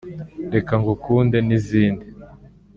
“Reka Ngukunde” n’izindi